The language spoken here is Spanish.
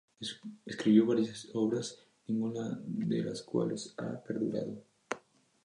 Escribió varias obras, ninguna de las cuales ha perdurado.